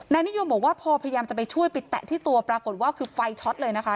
นิยมบอกว่าพอพยายามจะไปช่วยไปแตะที่ตัวปรากฏว่าคือไฟช็อตเลยนะคะ